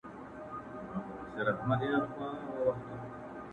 o چرگه مي ناجوړه کې، بانه مي ورته جوړه کې٫